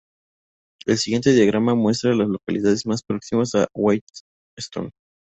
El siguiente diagrama muestra a las localidades más próximas a White Stone.